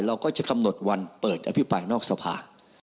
เราก็จะกำหนดวันเปิดอภิปรายนอกสภา